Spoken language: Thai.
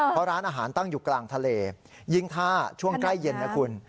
เพราะร้านอาหารตั้งอยู่กลางทะเลยิ่งถ้าช่วงใกล้เย็นนะคุณ